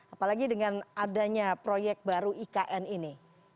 apalagi dengan adanya proyek baru ikn ini